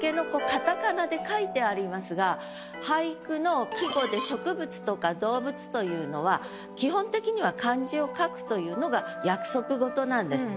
カタカナで書いてありますが俳句の季語で植物とか動物というのは基本的には漢字を書くというのが約束事なんです。